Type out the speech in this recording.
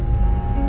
aku mau ke sana